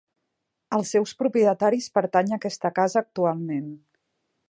Als seus propietaris pertany aquesta casa actualment.